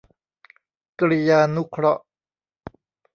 กริยานุเคราะห์